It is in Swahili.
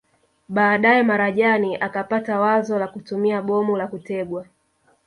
Baadae Marajani akapata wazo la kutumia bomu la kutegwa